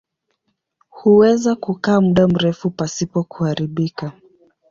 Huweza kukaa muda mrefu pasipo kuharibika.